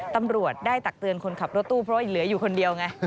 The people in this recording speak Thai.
ตำรวจได้ตักเตือนคนขับรถตู้เพราะว่าเหลืออยู่คนเดียวไง